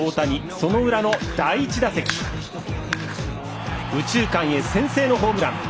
その裏の第１打席右中間へ先制のホームラン！